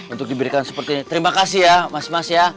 untuk diberikan seperti ini terima kasih ya mas mas ya